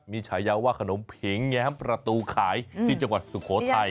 มีฉายาว่าขนมผิงแง้มประตูขายที่จังหวัดสุโขทัย